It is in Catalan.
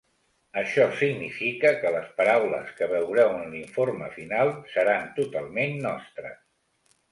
Això significa que les paraules que veureu en l’informe final seran totalment nostres.